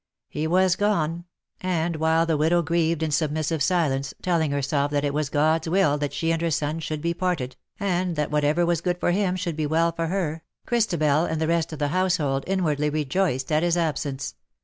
He was gone — and, while the widow grieved in submissive silence, telling herself that it was God^s will that she and her son should be parted, and 22 THE DAYS THAT ARE NO MORE. that whatever was good for him should be well for her_, Christabel and the rest of the household in wardly rejoiced at his absence.